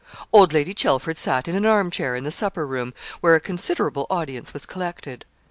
Old Lady Chelford sat in an arm chair in the supper room, where a considerable audience was collected.